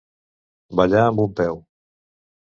Ballar amb un peu.